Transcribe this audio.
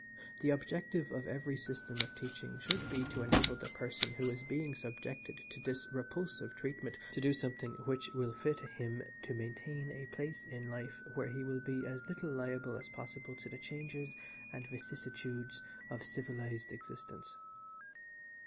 The objective of every system of teaching should be to enable the person who is being subjected to this repulsive treatment to do something which will fit him to maintain a place in life where he will be as little liable as possible to the changes and vicissitudes of civilised existence.